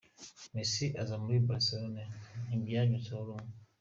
Messi aza muri Barcelona ntibyavuzweho rumwe.